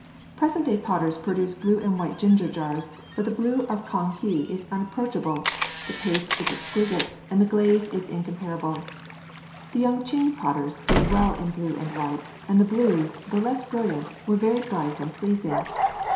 Present day potters produce blue and white ginger jars, but the blue of Kang he is unapproachable, the paste is exquisite, and the glaze is incomparable. The Yung ching potters did well in blue and white, and the blues, though less brilliant, were very bright and pleasing.